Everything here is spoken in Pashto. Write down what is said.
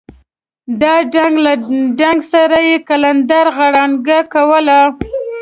د ډاله له ډنګ سره یې قلندرې غړانګه کوله.